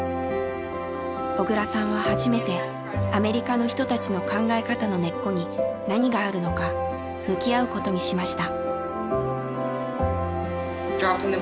小倉さんは初めてアメリカの人たちの考え方の根っこに何があるのか向き合うことにしました。